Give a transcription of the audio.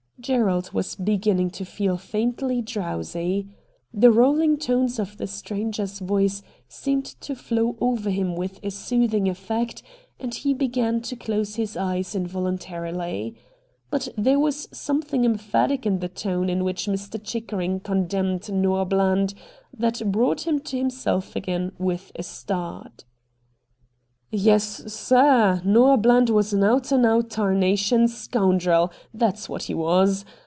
Gerald was beginning to feel faintly drowsy. A STRANGE STORY 65 The rolling tones of the stranger's voice seemed to flow over him with a soothing effect and he began to close his eyes involuntarily. But there was something emphatic in the tone in which Mr. Chickerincr condemned Xoah Bland that brought him to liimself again with a start. ' Yes, sir, Xoah Bland was an out and out tarnation scoundrel, that's what he was.